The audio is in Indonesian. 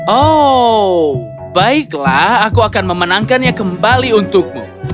oh baiklah aku akan memenangkannya kembali untukmu